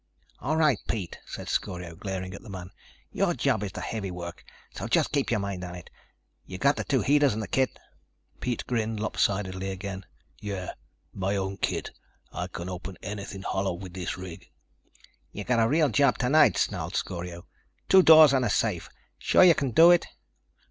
"All right, Pete," said Scorio, glaring at the man, "your job is the heavy work, so just keep your mind on it. You've got the two heaters and the kit." Pete grinned lopsidedly again. "Yeah, my own kit. I can open anything hollow with this rig." "You got a real job tonight," snarled Scorio. "Two doors and a safe. Sure you can do it?"